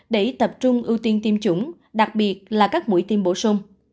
để tập trung ưu tiên tiêm chủng đặc biệt là các mũi tiêm bổ sung